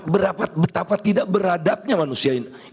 betapa tidak beradabnya manusia ini